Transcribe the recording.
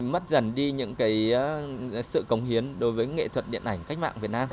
mất dần đi những sự cống hiến đối với nghệ thuật điện ảnh cách mạng việt nam